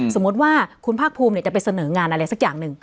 สมมุติว่าคุณภาคภูมิจะไปเสนองานอะไรสักอย่างหนึ่ง